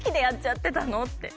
って。